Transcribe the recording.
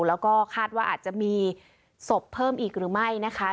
แล้วก็คาดว่าอาจจะมีศพเพิ่มอีกหรือไม่นะคะ